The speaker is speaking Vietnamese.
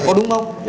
có đúng không